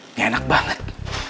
ini enak banget